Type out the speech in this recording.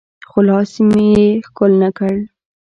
خو لاس مې يې ښکل نه کړ.